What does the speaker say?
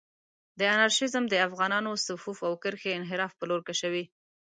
دا انارشېزم د افغانانانو صفوف او کرښې انحراف پر لور کشوي.